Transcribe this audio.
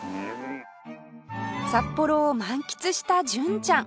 札幌を満喫した純ちゃん